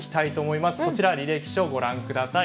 こちら履歴書ご覧ください。